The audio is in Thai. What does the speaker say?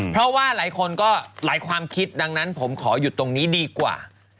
เพราะว่าหลายคนก็หลายความคิดดังนั้นผมขอหยุดตรงนี้ดีกว่า